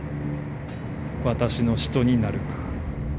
私の使徒になるか。